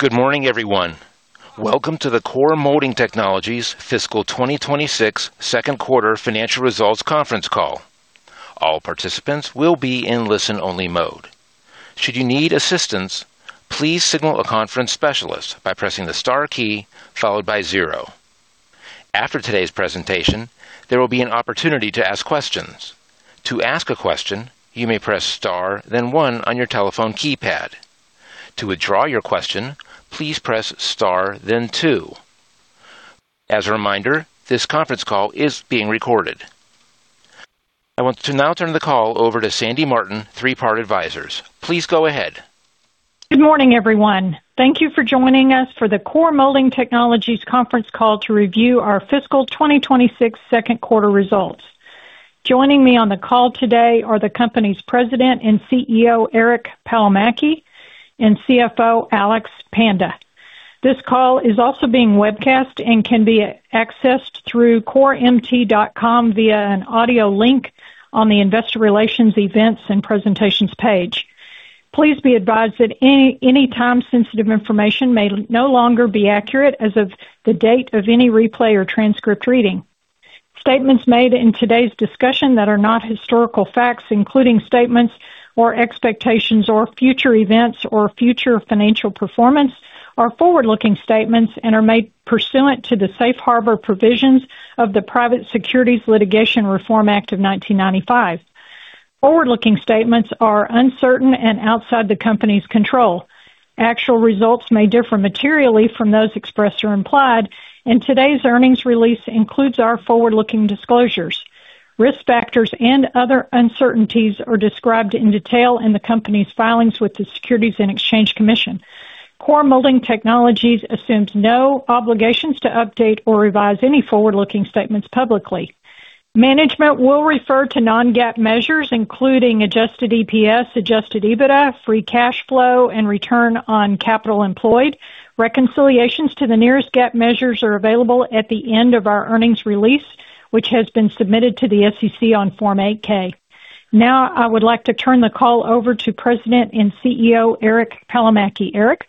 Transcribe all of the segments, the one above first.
Good morning, everyone. Welcome to the Core Molding Technologies fiscal 2026 Q2 financial results conference call. All participants will be in listen-only mode. Should you need assistance, please signal a conference specialist by pressing the star key followed by zero. After today's presentation, there will be an opportunity to ask questions. To ask a question, you may press star then one on your telephone keypad. To withdraw your question, please press star then two. As a reminder, this conference call is being recorded. I want to now turn the call over to Sandy Martin, Three Part Advisors. Please go ahead. Good morning, everyone. Thank you for joining us for the Core Molding Technologies conference call to review our fiscal 2026 Q2 results. Joining me on the call today are the company's President and CEO, Eric Palomaki, and CFO, Alex Panda. This call is also being webcast and can be accessed through coremt.com via an audio link on the investor relations events and presentations page. Please be advised that any time-sensitive information may no longer be accurate as of the date of any replay or transcript reading. Statements made in today's discussion that are not historical facts, including statements or expectations or future events or future financial performance, are forward-looking statements and are made pursuant to the safe harbor provisions of the Private Securities Litigation Reform Act of 1995. Forward-looking statements are uncertain and outside the company's control. Actual results may differ materially from those expressed or implied. Today's earnings release includes our forward-looking disclosures. Risk factors and other uncertainties are described in detail in the company's filings with the Securities and Exchange Commission. Core Molding Technologies assumes no obligations to update or revise any forward-looking statements publicly. Management will refer to non-GAAP measures, including adjusted EPS, adjusted EBITDA, free cash flow, and return on capital employed. Reconciliations to the nearest GAAP measures are available at the end of our earnings release, which has been submitted to the SEC on Form 8-K. Now, I would like to turn the call over to President and CEO, Eric Palomaki. Eric?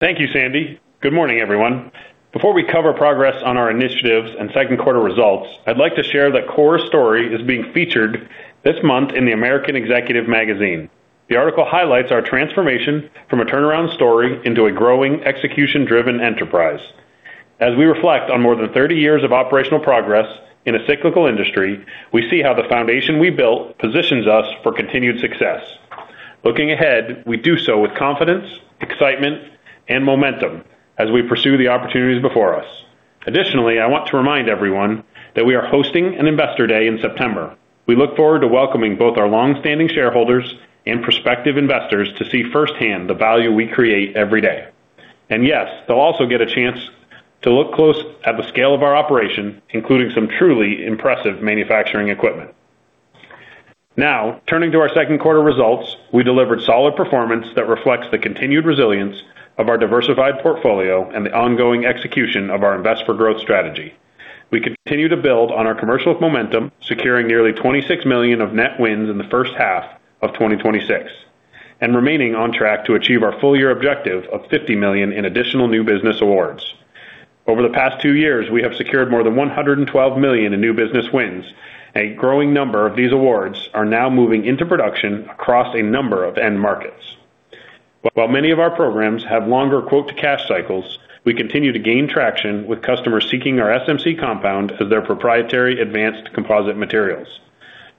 Thank you, Sandy. Good morning, everyone. Before we cover progress on our initiatives and Q2 results, I'd like to share that Core's story is being featured this month in The American Executive. The article highlights our transformation from a turnaround story into a growing execution-driven enterprise. As we reflect on more than 30 years of operational progress in a cyclical industry, we see how the foundation we built positions us for continued success. Looking ahead, we do so with confidence, excitement, and momentum as we pursue the opportunities before us. Additionally, I want to remind everyone that we are hosting an Investor Day in September. We look forward to welcoming both our longstanding shareholders and prospective investors to see firsthand the value we create every day. Yes, they'll also get a chance to look close at the scale of our operation, including some truly impressive manufacturing equipment. Turning to our Q2 results, we delivered solid performance that reflects the continued resilience of our diversified portfolio and the ongoing execution of our Invest for Growth strategy. We continue to build on our commercial momentum, securing nearly $26 million of net wins in the H1 of 2026, and remaining on track to achieve our full-year objective of $50 million in additional new business awards. Over the past two years, we have secured more than $112 million in new business wins. A growing number of these awards are now moving into production across a number of end markets. While many of our programs have longer quote to cash cycles, we continue to gain traction with customers seeking our SMC compound as their proprietary advanced composite materials.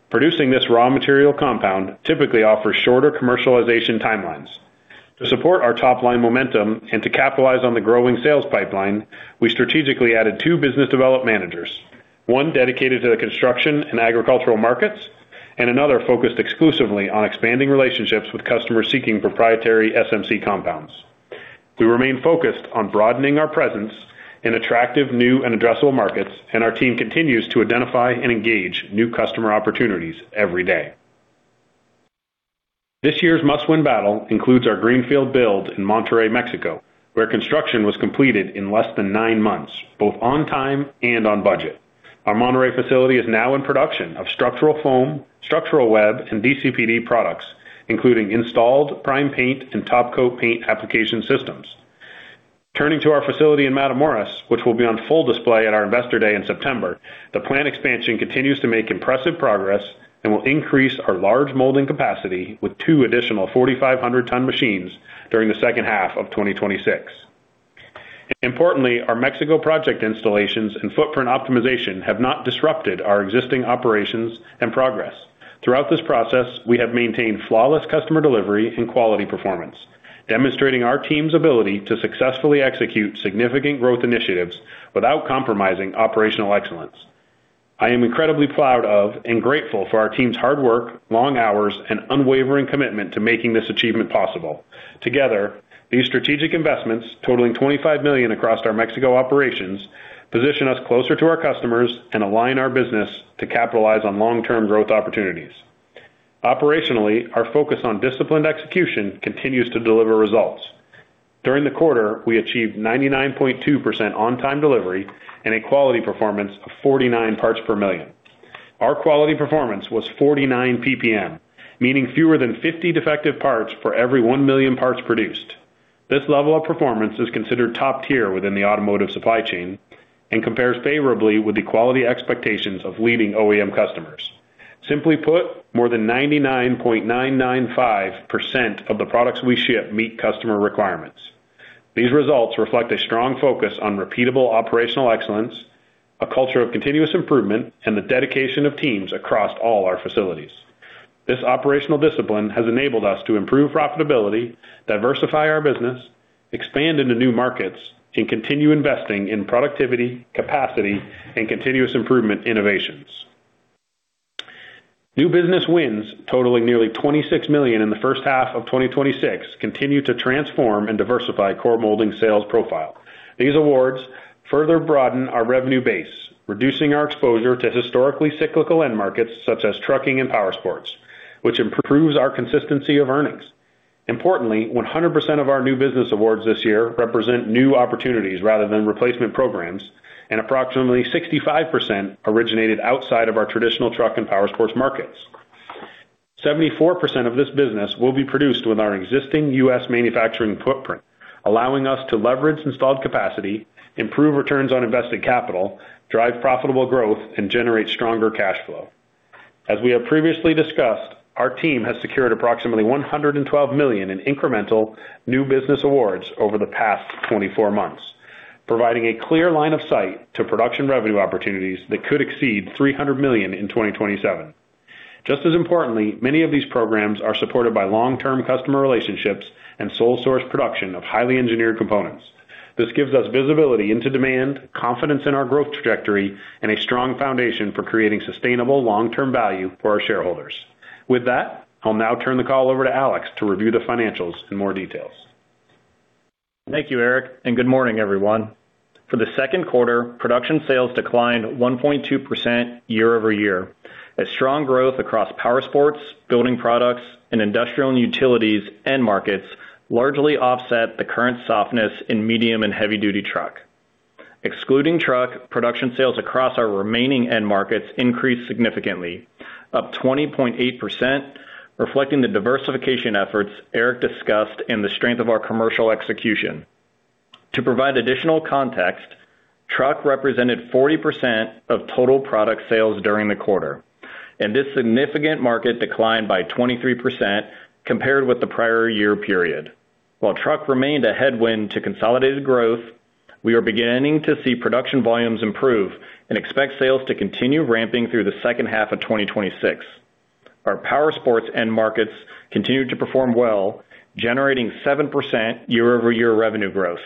Producing this raw material compound typically offers shorter commercialization timelines. To support our top-line momentum and to capitalize on the growing sales pipeline, we strategically added two business development managers, one dedicated to the construction and agricultural markets, and another focused exclusively on expanding relationships with customers seeking proprietary SMC compounds. We remain focused on broadening our presence in attractive, new, and addressable markets. Our team continues to identify and engage new customer opportunities every day. This year's must-win battle includes our greenfield build in Monterrey, Mexico, where construction was completed in less than nine months, both on time and on budget. Our Monterrey facility is now in production of structural foam, structural web, and DCPD products, including installed prime paint and top coat paint application systems. Turning to our facility in Matamoros, which will be on full display at our Investor Day in September, the plant expansion continues to make impressive progress and will increase our large molding capacity with two additional 4,500-ton machines during the H2 of 2026. Importantly, our Mexico project installations and footprint optimization have not disrupted our existing operations and progress. Throughout this process, we have maintained flawless customer delivery and quality performance, demonstrating our team's ability to successfully execute significant growth initiatives without compromising operational excellence. I am incredibly proud of and grateful for our team's hard work, long hours, and unwavering commitment to making this achievement possible. Together, these strategic investments, totaling $25 million across our Mexico operations, position us closer to our customers and align our business to capitalize on long-term growth opportunities. Operationally, our focus on disciplined execution continues to deliver results. During the quarter, we achieved 99.2% on-time delivery and a quality performance of 49 parts per million. Our quality performance was 49 PPM, meaning fewer than 50 defective parts per every one million parts produced. This level of performance is considered top-tier within the automotive supply chain and compares favorably with the quality expectations of leading OEM customers. Simply put, more than 99.995% of the products we ship meet customer requirements. These results reflect a strong focus on repeatable operational excellence, a culture of continuous improvement, and the dedication of teams across all our facilities. This operational discipline has enabled us to improve profitability, diversify our business, expand into new markets, and continue investing in productivity, capacity, and continuous improvement innovations. New business wins totaling nearly $26 million in the H1 of 2026, continue to transform and diversify Core Molding sales profile. These awards further broaden our revenue base, reducing our exposure to historically cyclical end markets such as trucking and powersports, which improves our consistency of earnings. Importantly, 100% of our new business awards this year represent new opportunities rather than replacement programs, and approximately 65% originated outside of our traditional truck and powersports markets. 74% of this business will be produced with our existing U.S. manufacturing footprint, allowing us to leverage installed capacity, improve returns on invested capital, drive profitable growth, and generate stronger cash flow. As we have previously discussed, our team has secured approximately $112 million in incremental new business awards over the past 24 months, providing a clear line of sight to production revenue opportunities that could exceed $300 million in 2027. Just as importantly, many of these programs are supported by long-term customer relationships and sole source production of highly engineered components. This gives us visibility into demand, confidence in our growth trajectory, and a strong foundation for creating sustainable long-term value for our shareholders. With that, I'll now turn the call over to Alex to review the financials in more details. Thank you, Eric, and good morning, everyone. For the Q2, production sales declined 1.2% year-over-year. A strong growth across powersports, building products, and industrial and utilities end markets largely offset the current softness in medium and heavy-duty truck. Excluding truck, production sales across our remaining end markets increased significantly, up 20.8%, reflecting the diversification efforts Eric discussed and the strength of our commercial execution. To provide additional context, truck represented 40% of total product sales during the quarter, and this significant market declined by 23% compared with the prior year period. While truck remained a headwind to consolidated growth, we are beginning to see production volumes improve and expect sales to continue ramping through the H2 of 2026. Our powersports end markets continued to perform well, generating 7% year-over-year revenue growth.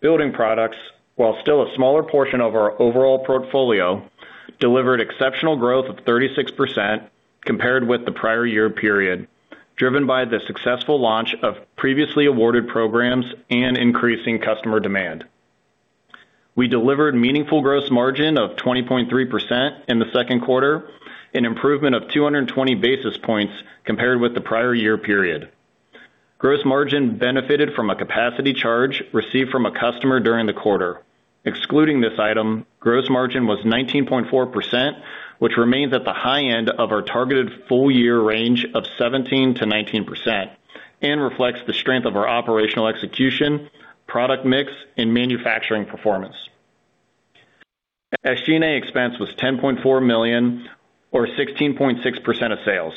Building products, while still a smaller portion of our overall portfolio, delivered exceptional growth of 36% compared with the prior year period, driven by the successful launch of previously awarded programs and increasing customer demand. We delivered meaningful gross margin of 20.3% in the Q2, an improvement of 220 basis points compared with the prior year period. Gross margin benefited from a capacity charge received from a customer during the quarter. Excluding this item, gross margin was 19.4%, which remains at the high end of our targeted full-year range of 17%-19% and reflects the strength of our operational execution, product mix, and manufacturing performance. SG&A expense was $10.4 million or 16.6% of sales.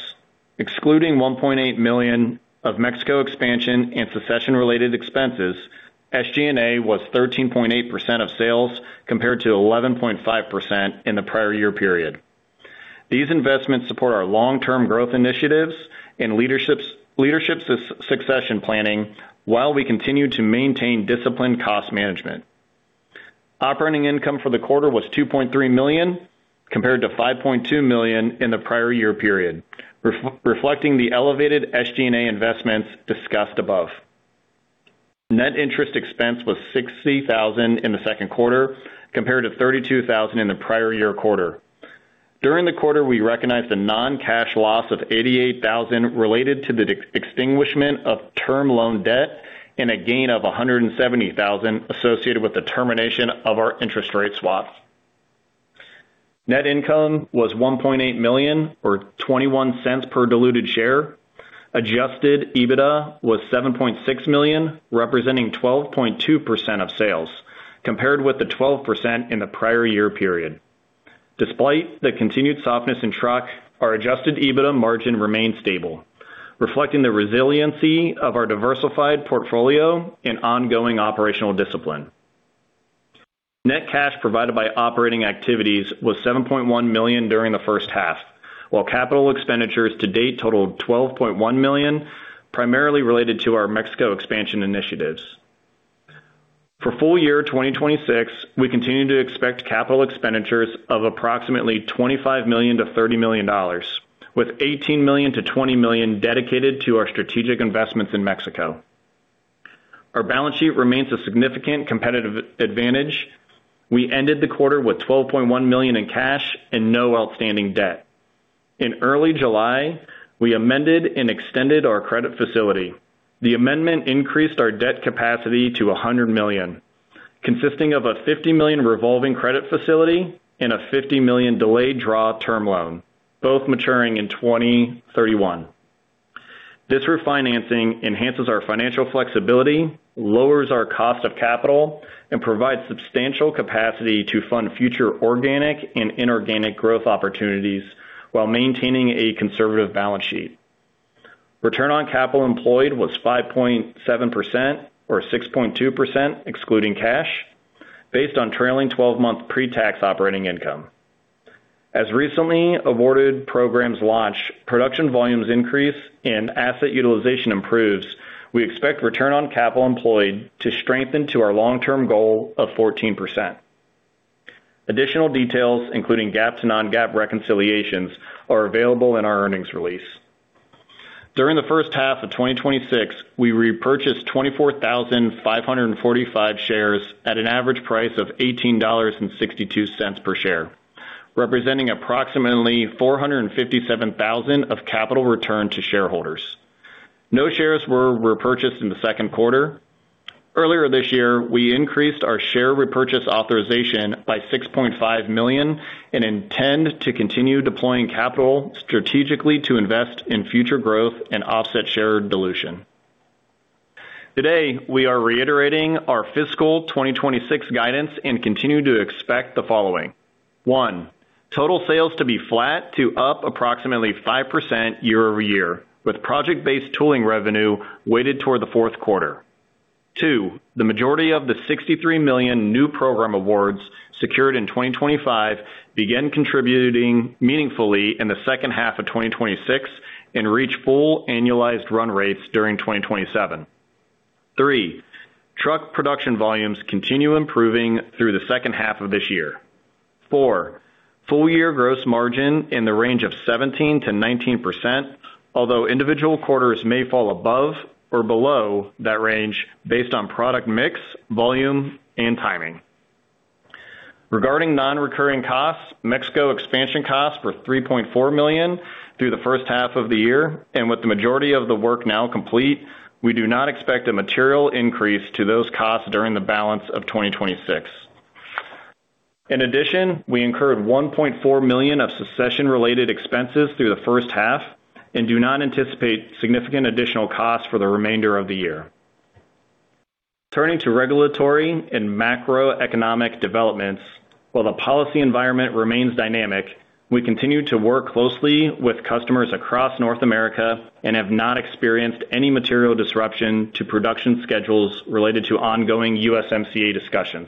Excluding $1.8 million of Mexico expansion and succession related expenses, SG&A was 13.8% of sales compared to 11.5% in the prior year period. These investments support our long-term growth initiatives and leadership succession planning while we continue to maintain disciplined cost management. Operating income for the quarter was $2.3 million, compared to $5.2 million in the prior year period, reflecting the elevated SG&A investments discussed above. Net interest expense was $60,000 in the Q2, compared to $32,000 in the prior year quarter. During the quarter, we recognized a non-cash loss of $88,000 related to the extinguishment of term loan debt and a gain of $170,000 associated with the termination of our interest rate swap. Net income was $1.8 million or $0.21 per diluted share. Adjusted EBITDA was $7.6 million, representing 12.2% of sales, compared with 12% in the prior year period. Despite the continued softness in truck, our adjusted EBITDA margin remained stable, reflecting the resiliency of our diversified portfolio and ongoing operational discipline. Net cash provided by operating activities was $7.1 million during the H1, while capital expenditures to date totaled $12.1 million, primarily related to our Mexico expansion initiatives. For full-year 2026, we continue to expect capital expenditures of approximately $25 million-$30 million, with $18 million-$20 million dedicated to our strategic investments in Mexico. Our balance sheet remains a significant competitive advantage. We ended the quarter with $12.1 million in cash and no outstanding debt. In early July, we amended and extended our credit facility. The amendment increased our debt capacity to $100 million, consisting of a $50 million revolving credit facility and a $50 million delayed draw term loan, both maturing in 2031. This refinancing enhances our financial flexibility, lowers our cost of capital, and provides substantial capacity to fund future organic and inorganic growth opportunities while maintaining a conservative balance sheet. Return on capital employed was 5.7%, or 6.2% excluding cash, based on trailing 12-month pre-tax operating income. As recently awarded programs launch, production volumes increase and asset utilization improves, we expect return on capital employed to strengthen to our long-term goal of 14%. Additional details, including GAAP to non-GAAP reconciliations, are available in our earnings release. During the H1 of 2026, we repurchased 24,545 shares at an average price of $18.62 per share, representing approximately $457,000 of capital return to shareholders. No shares were repurchased in the Q2. Earlier this year, we increased our share repurchase authorization by $6.5 million and intend to continue deploying capital strategically to invest in future growth and offset share dilution. Today, we are reiterating our fiscal 2026 guidance and continue to expect the following. One, total sales to be flat to up approximately 5% year-over-year, with project-based tooling revenue weighted toward the Q4. Two, the majority of the $63 million new program awards secured in 2025 begin contributing meaningfully in the H2 of 2026 and reach full annualized run rates during 2027. Three, truck production volumes continue improving through the H2 of this year. Four, full-year gross margin in the range of 17%-19%, although individual quarters may fall above or below that range based on product mix, volume, and timing. Regarding non-recurring costs, Mexico expansion costs were $3.4 million through the H1 of the year, and with the majority of the work now complete, we do not expect a material increase to those costs during the balance of 2026. In addition, we incurred $1.4 million of succession-related expenses through the H1 and do not anticipate significant additional costs for the remainder of the year. Turning to regulatory and macroeconomic developments, while the policy environment remains dynamic, we continue to work closely with customers across North America and have not experienced any material disruption to production schedules related to ongoing USMCA discussions.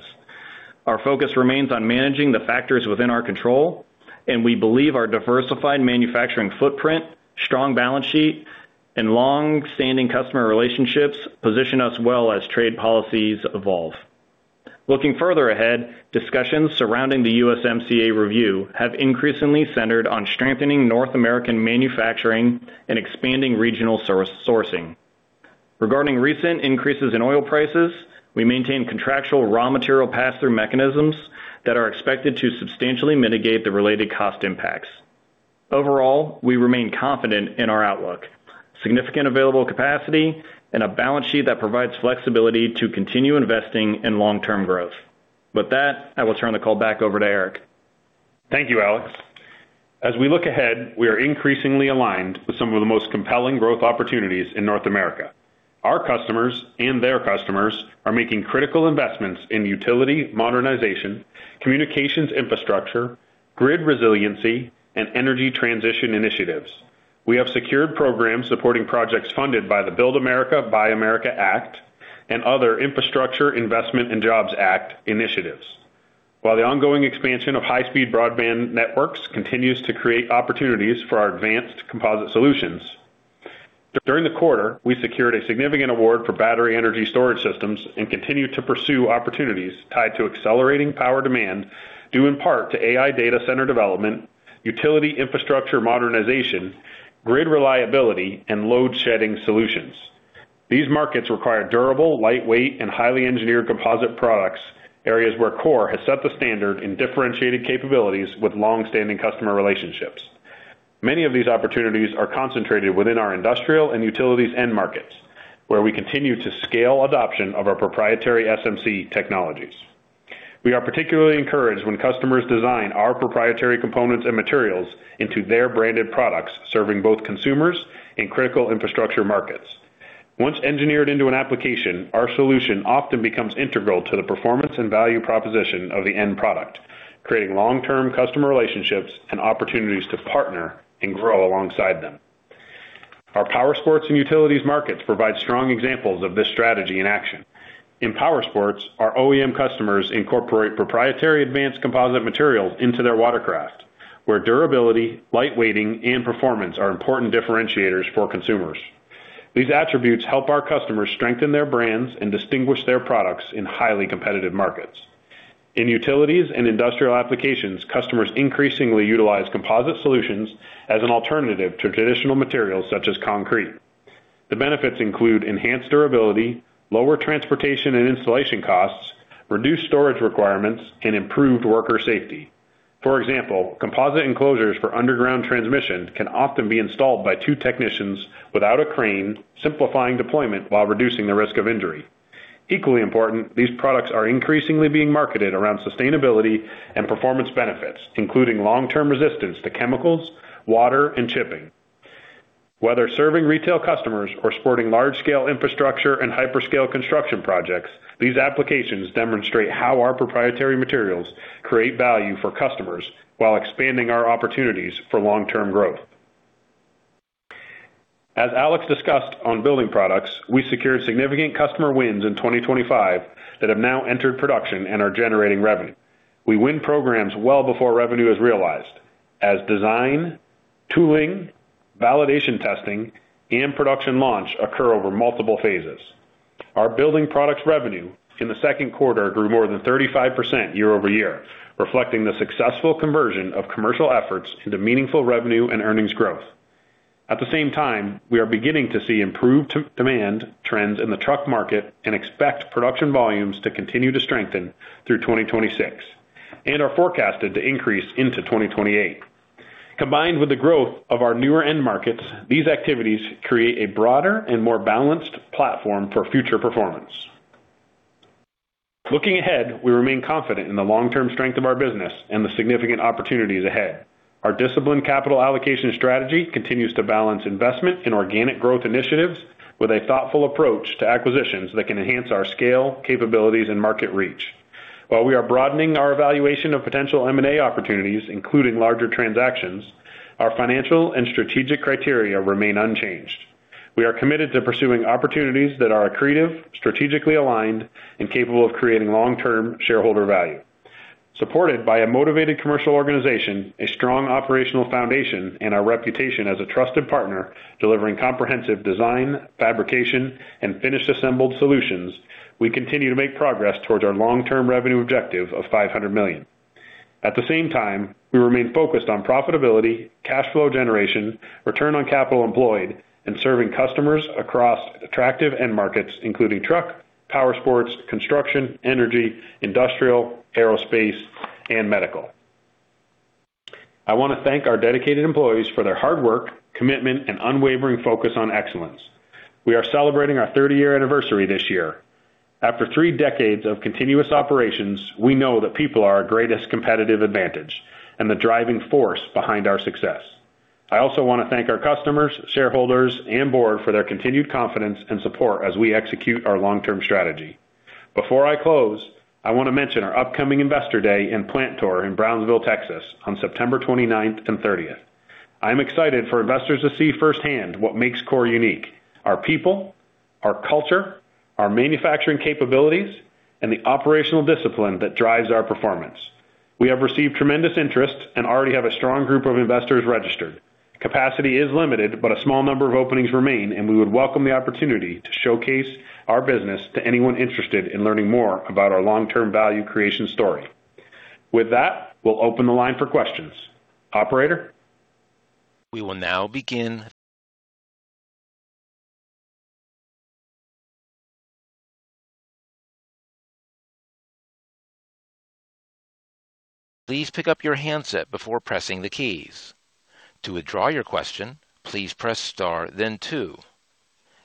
Our focus remains on managing the factors within our control, and we believe our diversified manufacturing footprint, strong balance sheet, and longstanding customer relationships position us well as trade policies evolve. Looking further ahead, discussions surrounding the USMCA review have increasingly centered on strengthening North American manufacturing and expanding regional sourcing. Regarding recent increases in oil prices, we maintain contractual raw material pass-through mechanisms that are expected to substantially mitigate the related cost impacts. Overall, we remain confident in our outlook, significant available capacity, and a balance sheet that provides flexibility to continue investing in long-term growth. With that, I will turn the call back over to Eric. Thank you, Alex. As we look ahead, we are increasingly aligned with some of the most compelling growth opportunities in North America. Our customers and their customers are making critical investments in utility modernization, communications infrastructure, grid resiliency, and energy transition initiatives. We have secured programs supporting projects funded by the Build America, Buy America Act and other Infrastructure Investment and Jobs Act initiatives. While the ongoing expansion of high-speed broadband networks continues to create opportunities for our advanced composite solutions, during the quarter, we secured a significant award for battery energy storage systems and continue to pursue opportunities tied to accelerating power demand, due in part to AI data center development, utility infrastructure modernization, grid reliability, and load shedding solutions. These markets require durable, lightweight, and highly engineered composite products, areas where Core has set the standard in differentiated capabilities with longstanding customer relationships. Many of these opportunities are concentrated within our industrial and utilities end markets, where we continue to scale adoption of our proprietary SMC technologies. We are particularly encouraged when customers design our proprietary components and materials into their branded products, serving both consumers and critical infrastructure markets. Once engineered into an application, our solution often becomes integral to the performance and value proposition of the end product, creating long-term customer relationships and opportunities to partner and grow alongside them. Our powersports and utilities markets provide strong examples of this strategy in action. In powersports, our OEM customers incorporate proprietary advanced composite materials into their watercraft, where durability, light weighting, and performance are important differentiators for consumers. These attributes help our customers strengthen their brands and distinguish their products in highly competitive markets. In utilities and industrial applications, customers increasingly utilize composite solutions as an alternative to traditional materials such as concrete. The benefits include enhanced durability, lower transportation and installation costs, reduced storage requirements, and improved worker safety. For example, composite enclosures for underground transmission can often be installed by two technicians without a crane, simplifying deployment while reducing the risk of injury. Equally important, these products are increasingly being marketed around sustainability and performance benefits, including long-term resistance to chemicals, water, and chipping. Whether serving retail customers or supporting large-scale infrastructure and hyperscale construction projects, these applications demonstrate how our proprietary materials create value for customers while expanding our opportunities for long-term growth. As Alex discussed on building products, we secured significant customer wins in 2025 that have now entered production and are generating revenue. We win programs well before revenue is realized, as design, tooling, validation testing, and production launch occur over multiple phases. Our building products revenue in the Q2 grew more than 35% year-over-year, reflecting the successful conversion of commercial efforts into meaningful revenue and earnings growth. At the same time, we are beginning to see improved demand trends in the truck market and expect production volumes to continue to strengthen through 2026, and are forecasted to increase into 2028. Combined with the growth of our newer end markets, these activities create a broader and more balanced platform for future performance. Looking ahead, we remain confident in the long-term strength of our business and the significant opportunities ahead. Our disciplined capital allocation strategy continues to balance investment in organic growth initiatives with a thoughtful approach to acquisitions that can enhance our scale, capabilities, and market reach. While we are broadening our evaluation of potential M&A opportunities, including larger transactions, our financial and strategic criteria remain unchanged. We are committed to pursuing opportunities that are accretive, strategically aligned, and capable of creating long-term shareholder value. Supported by a motivated commercial organization, a strong operational foundation, and our reputation as a trusted partner delivering comprehensive design, fabrication, and finished assembled solutions, we continue to make progress towards our long-term revenue objective of $500 million. At the same time, we remain focused on profitability, cash flow generation, return on capital employed, and serving customers across attractive end markets, including truck, powersports, construction, energy, industrial, aerospace, and medical. I want to thank our dedicated employees for their hard work, commitment, and unwavering focus on excellence. We are celebrating our 30-year anniversary this year. After three decades of continuous operations, we know that people are our greatest competitive advantage and the driving force behind our success. I also want to thank our customers, shareholders, and board for their continued confidence and support as we execute our long-term strategy. Before I close, I want to mention our upcoming Investor Day and plant tour in Brownsville, Texas, on September 29th and 30th. I'm excited for investors to see firsthand what makes Core unique: our people, our culture, our manufacturing capabilities, and the operational discipline that drives our performance. We have received tremendous interest and already have a strong group of investors registered. Capacity is limited, but a small number of openings remain, and we would welcome the opportunity to showcase our business to anyone interested in learning more about our long-term value creation story. With that, we'll open the line for questions. Operator? We will now begin. Please pick up your handset before pressing the keys. To withdraw your question, please press star then two.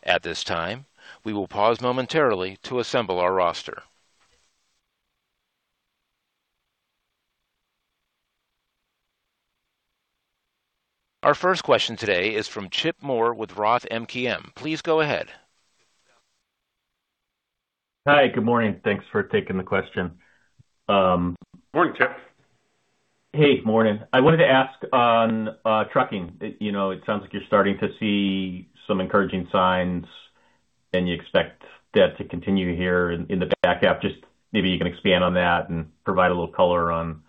At this time, we will pause momentarily to assemble our roster. Our first question today is from Chip Moore with Roth MKM. Please go ahead. Hi. Good morning. Thanks for taking the question. Morning, Chip. Hey. Morning. I wanted to ask on trucking. It sounds like you're starting to see some encouraging signs, and you expect that to continue here in the back half. Just maybe you can expand on that and provide a little color on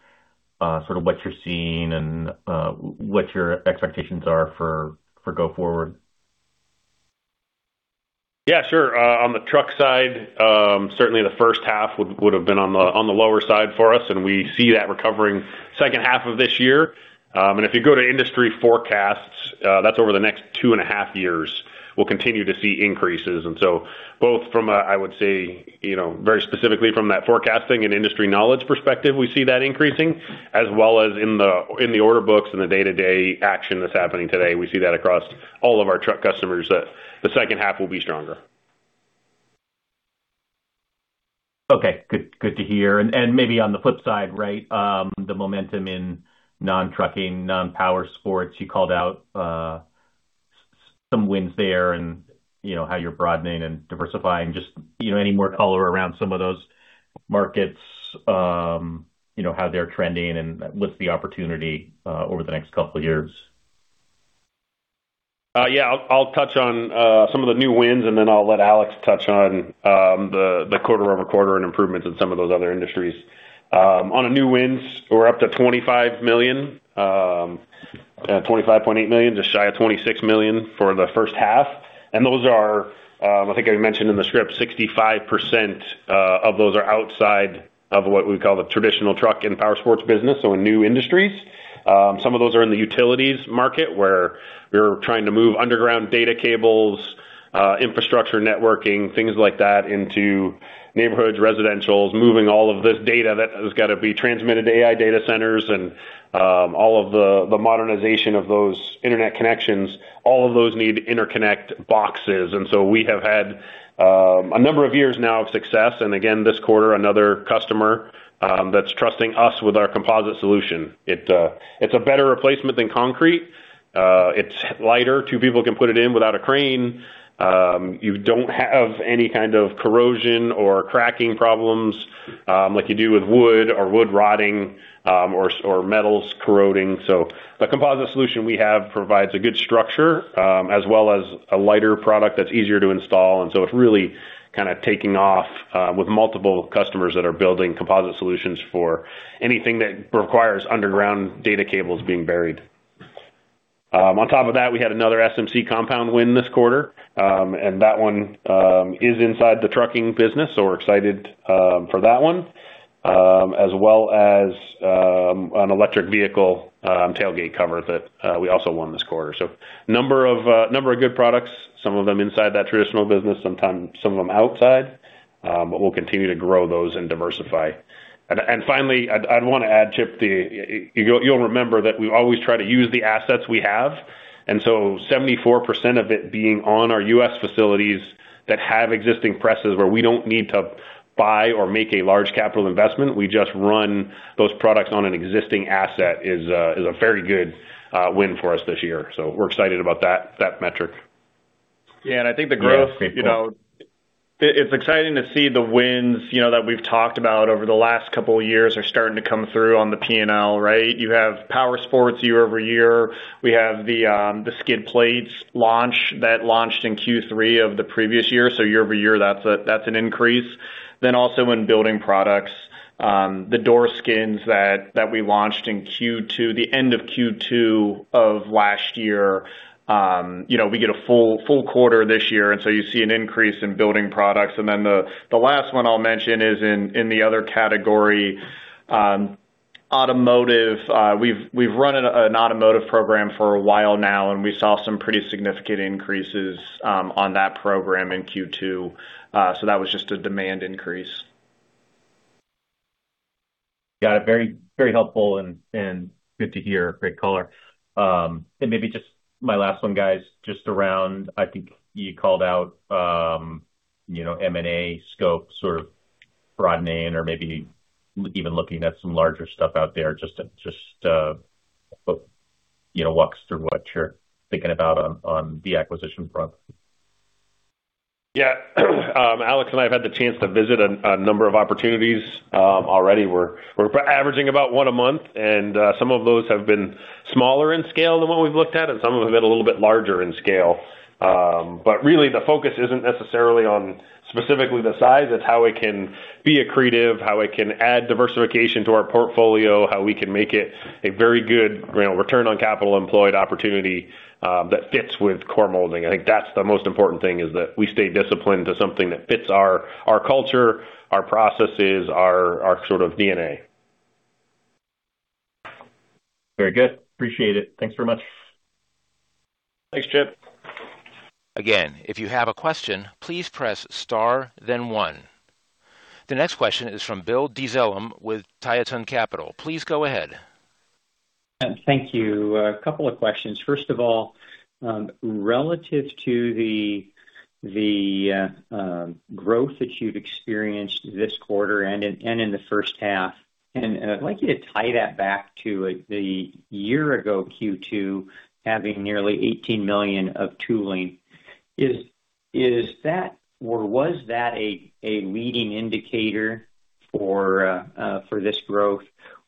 sort of what you're seeing and what your expectations are for go forward. Yeah, sure. On the truck side, certainly the H1 would've been on the lower side for us, and we see that recovering H2 of this year. If you go to industry forecasts, that's over the next two and a half years, we'll continue to see increases. Both from a, I would say, very specifically from that forecasting and industry knowledge perspective, we see that increasing, as well as in the order books and the day-to-day action that's happening today. We see that across all of our truck customers, that the H2 will be stronger. Okay. Good to hear. Maybe on the flip side, the momentum in non-trucking, non-powersports, you called out some wins there and how you're broadening and diversifying. Just any more color around some of those markets, how they're trending, and what's the opportunity over the next couple years? Yeah. I'll touch on some of the new wins, then I'll let Alex touch on the quarter-over-quarter and improvements in some of those other industries. On the new wins, we're up to $25 million, $25.8 million, just shy of $26 million for the H1. Those are, I think I mentioned in the script, 65% of those are outside of what we call the traditional truck and powersports business, so in new industries. Some of those are in the utilities market, where we're trying to move underground data cables, infrastructure networking, things like that, into neighborhoods, residentials, moving all of this data that has got to be transmitted to AI data centers, and all of the modernization of those internet connections, all of those need interconnect boxes. We have had a number of years now of success. Again, this quarter, another customer that's trusting us with our composite solution. It's a better replacement than concrete. It's lighter. Two people can put it in without a crane. You don't have any kind of corrosion or cracking problems like you do with wood or wood rotting, or metals corroding. The composite solution we have provides a good structure, as well as a lighter product that's easier to install. It's really kind of taking off with multiple customers that are building composite solutions for anything that requires underground data cables being buried. On top of that, we had another SMC compound win this quarter. That one is inside the trucking business. We're excited for that one, as well as an electric vehicle tailgate cover that we also won this quarter. Number of good products, some of them inside that traditional business, some of them outside. We'll continue to grow those and diversify. Finally, I'd want to add, Chip, you'll remember that we always try to use the assets we have, 74% of it being on our U.S. facilities that have existing presses where we don't need to buy or make a large capital investment, we just run those products on an existing asset, is a very good win for us this year. We're excited about that metric. I think the growth, it's exciting to see the wins that we've talked about over the last couple of years are starting to come through on the P&L, right? You have Powersports year-over-year. We have the skid plates that launched in Q3 of the previous year. Year-over-year, that's an increase. Also in building products, the door skins that we launched in the end of Q2 of last year. We get a full quarter this year, you see an increase in building products. The last one I'll mention is in the other category, automotive. We've run an automotive program for a while now, and we saw some pretty significant increases on that program in Q2. That was just a demand increase. Got it. Very helpful and good to hear. Great color. Maybe just my last one, guys, just around, I think you called out M&A scope sort of broadening or maybe even looking at some larger stuff out there. Just walk us through what you're thinking about on the acquisition front. Alex and I have had the chance to visit a number of opportunities. Already we're averaging about one a month, some of those have been smaller in scale than what we've looked at, some of them have been a little bit larger in scale. Really, the focus isn't necessarily on specifically the size. It's how it can be accretive, how it can add diversification to our portfolio, how we can make it a very good return on capital employed opportunity, that fits with Core Molding. I think that's the most important thing, is that we stay disciplined to something that fits our culture, our processes, our sort of DNA. Very good. Appreciate it. Thanks very much. Thanks, Chip. Again, if you have a question, please press star then one. The next question is from Bill Dezellem with Tieton Capital. Please go ahead. Thank you. A couple of questions. First of all, relative to the growth that you've experienced this quarter and in the H1, I'd like you to tie that back to the year ago Q2, having nearly $18 million of tooling. Is that or was that a leading indicator for this growth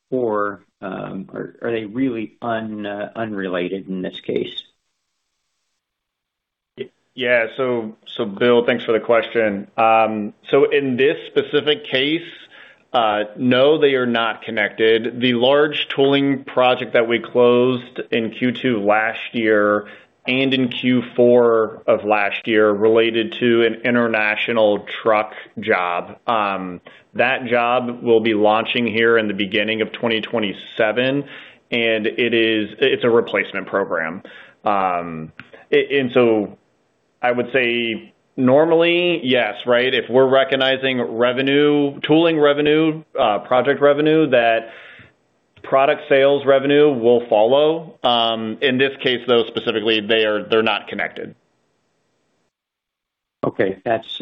or are they really unrelated in this case? Bill, thanks for the question. In this specific case, no, they are not connected. The large tooling project that we closed in Q2 last year and in Q4 of last year related to an International Truck job. That job will be launching here in the beginning of 2027, and it's a replacement program. I would say normally, yes, right? If we're recognizing tooling revenue, project revenue, that product sales revenue will follow. In this case, though, specifically, they're not connected. Okay. That's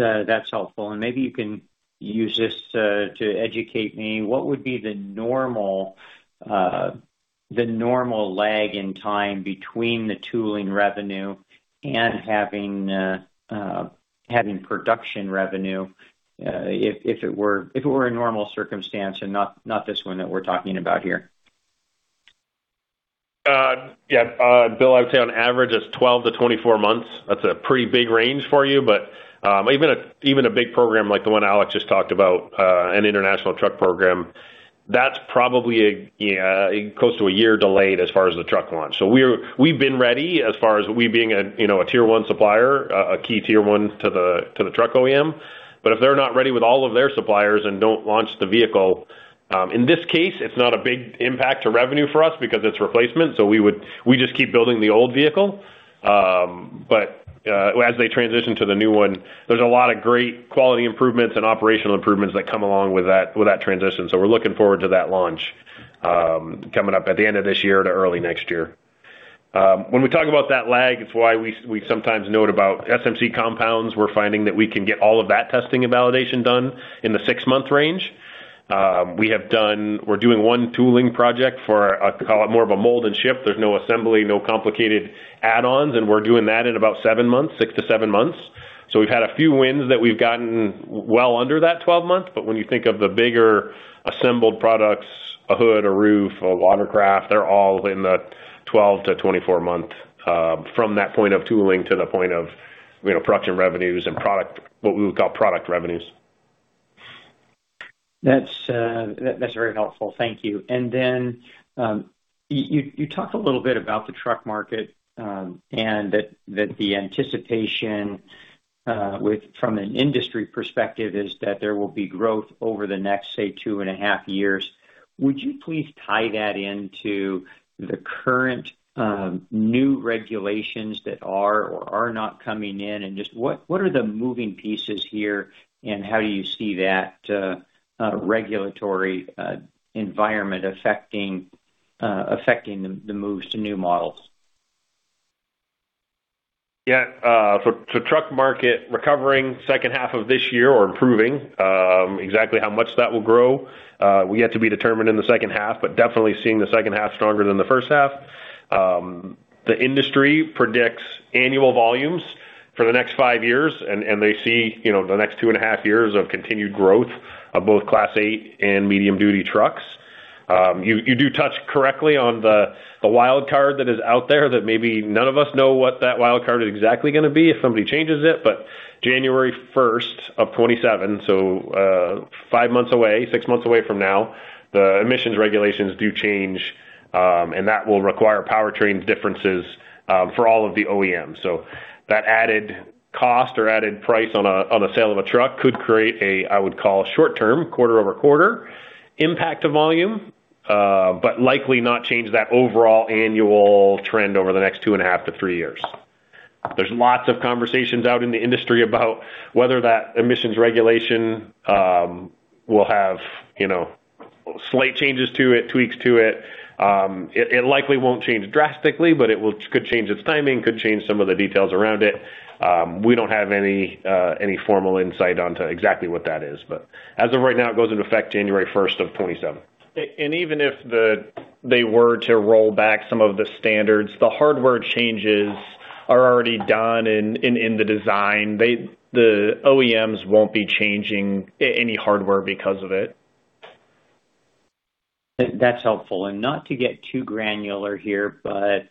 helpful. Maybe you can use this to educate me. What would be the normal lag in time between the tooling revenue and having production revenue, if it were a normal circumstance and not this one that we're talking about here? Yeah. Bill, I would say on average, it's 12-24 months. That's a pretty big range for you. Even a big program like the one Alex just talked about, an International Truck program, that's probably close to a year delayed as far as the truck launch. We've been ready as far as we being a tier 1 supplier, a key tier 1 to the truck OEM. If they're not ready with all of their suppliers and don't launch the vehicle. In this case, it's not a big impact to revenue for us because it's replacement, so we just keep building the old vehicle. As they transition to the new one, there's a lot of great quality improvements and operational improvements that come along with that transition. We're looking forward to that launch coming up at the end of this year to early next year. When we talk about that lag, it's why we sometimes note about SMC compounds. We're finding that we can get all of that testing and validation done in the six-month range. We're doing one tooling project for more of a mold and ship. There's no assembly, no complicated add-ons, and we're doing that in about seven months, six to seven months. We've had a few wins that we've gotten well under that 12 months, but when you think of the bigger assembled products, a hood, a roof, a watercraft, they're all in the 12-24 months from that point of tooling to the point of production revenues and what we would call product revenues. That's very helpful. Thank you. You talk a little bit about the truck market, and that the anticipation from an industry perspective is that there will be growth over the next, say, two and a half years. Would you please tie that into the current new regulations that are or are not coming in? What are the moving pieces here, and how do you see that regulatory environment affecting the moves to new models? Yeah. Truck market recovering H2 of this year or improving. Exactly how much that will grow, we have to be determined in the H2, but definitely seeing the H2 stronger than the H1. The industry predicts annual volumes for the next five years, they see the next two and a half years of continued growth of both Class 8 and medium-duty trucks. You do touch correctly on the wild card that is out there that maybe none of us know what that wild card is exactly going to be if somebody changes it, January 1st of 2027, so, five months away, six months away from now, the emissions regulations do change, and that will require powertrains differences for all of the OEMs. That added cost or added price on the sale of a truck could create a, I would call, short term, quarter-over-quarter impact to volume, likely not change that overall annual trend over the next two and a half to three years. There's lots of conversations out in the industry about whether that emissions regulation will have slight changes to it, tweaks to it. It likely won't change drastically, it could change its timing, could change some of the details around it. We don't have any formal insight onto exactly what that is. As of right now, it goes into effect January 1st of 2027. Even if they were to roll back some of the standards, the hardware changes are already done in the design. The OEMs won't be changing any hardware because of it. That is helpful. Not to get too granular here, but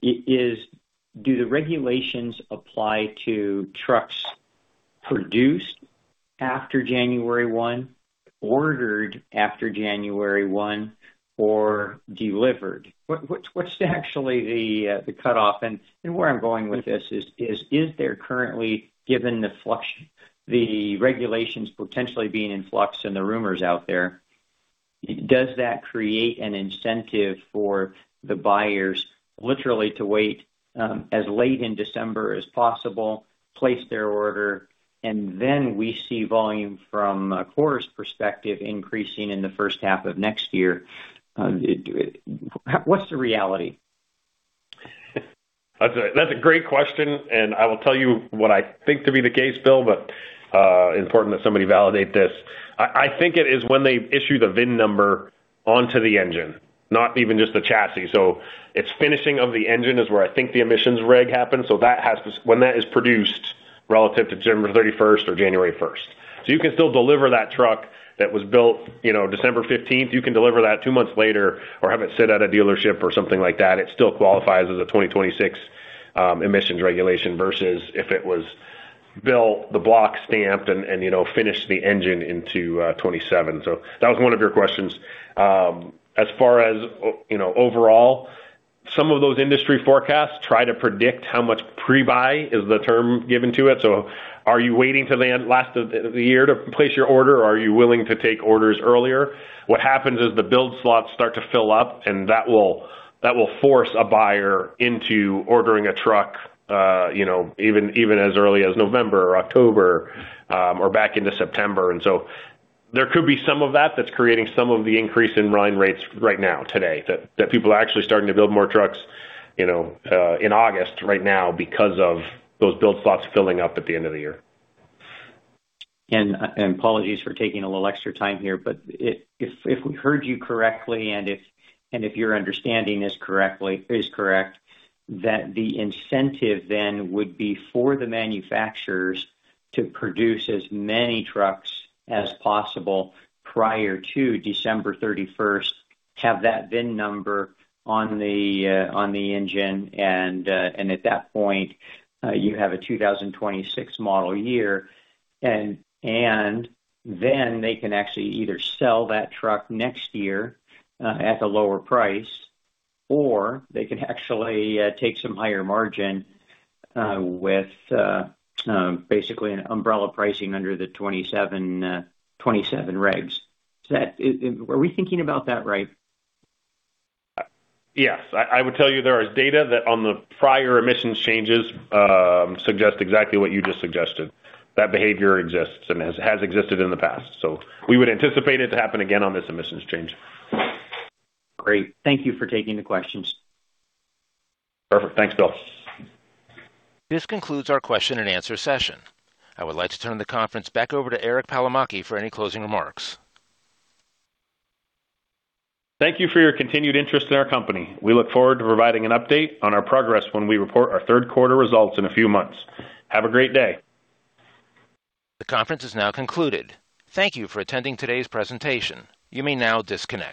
do the regulations apply to trucks produced after January 1, ordered after January 1, or delivered? What is actually the cutoff? Where I am going with this is there currently, given the regulations potentially being in flux and the rumors out there, does that create an incentive for the buyers literally to wait as late in December as possible, place their order, and then we see volume from a Core Molding Technologies's perspective increasing in the H1 of next year? What is the reality? That is a great question. I will tell you what I think to be the case, Bill, but important that somebody validate this. I think it is when they issue the VIN number onto the engine, not even just the chassis. It is finishing of the engine is where I think the emissions reg happens. So when that is produced relative to December 31st or January 1st. You can still deliver that truck that was built December 15th, you can deliver that two months later or have it sit at a dealership or something like that. It still qualifies as a 2026 emissions regulation versus if it was built, the block stamped, and finished the engine into 2027. That was one of your questions. As far as overall, some of those industry forecasts try to predict how much pre-buy is the term given to it. Are you waiting till the end last of the year to place your order, or are you willing to take orders earlier? What happens is the build slots start to fill up, and that will force a buyer into ordering a truck even as early as November or October, or back into September. There could be some of that that is creating some of the increase in line rates right now, today, that people are actually starting to build more trucks in August right now because of those build slots filling up at the end of the year. Apologies for taking a little extra time here, but if we heard you correctly and if your understanding is correct, that the incentive then would be for the manufacturers to produce as many trucks as possible prior to December 31st, have that VIN number on the engine and at that point, you have a 2026 model year. Then they can actually either sell that truck next year, at the lower price, or they can actually take some higher margin with basically an umbrella pricing under the 2027 regs. Are we thinking about that right? Yes. I would tell you there is data that on the prior emissions changes suggest exactly what you just suggested. That behavior exists and has existed in the past. We would anticipate it to happen again on this emissions change. Great. Thank you for taking the questions. Perfect. Thanks, Bill. This concludes our question-and-answer session. I would like to turn the conference back over to Eric Palomaki for any closing remarks. Thank you for your continued interest in our company. We look forward to providing an update on our progress when we report our Q3 results in a few months. Have a great day. The conference is now concluded. Thank you for attending today's presentation. You may now disconnect.